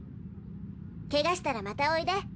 ケガしたらまたおいで。